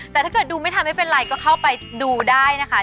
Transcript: แต่ถ้าเกิดดูไม่ทำไม่เป็นไรก็เข้าไปดูได้นะคะ